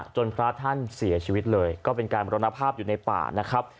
พระท่านเสียชีวิตเลยก็เป็นการบรรณภาพอยู่ในป่านะครับ